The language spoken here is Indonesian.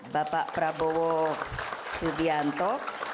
bapak prabowo subianto